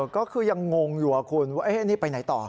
ก็คือยังงงอยู่คุณว่านี่ไปไหนต่อ